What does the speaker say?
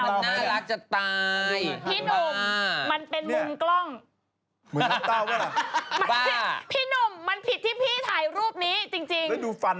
หน้ามันเหมือนแชงไทยอ่ะลูกแชงไทย